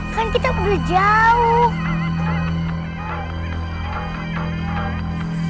kan kita udah jauh